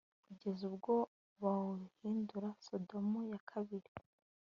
kugeza ubwo bawuhindura Sodomu ya kabiri